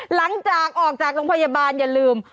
หลังจากออกจากโรงพยาบาลอย่าลืม